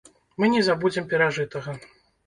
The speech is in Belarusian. Мы не забудзем перажытага.